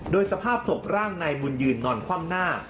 โดยสภาพศพร่างนายบุญยืนนอนคว่ำหน้า